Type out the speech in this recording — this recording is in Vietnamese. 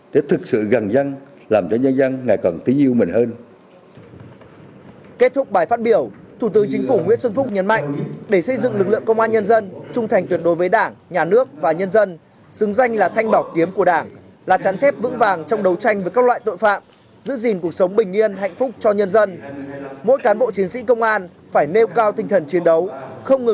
để thực sự gần gian làm cho nhân dân ngày càng tí yêu mình hơn